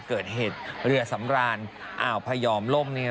เกิดเหตุเรือสำรานอ่าวพยอมล่ม